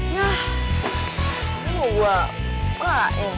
yah lu apa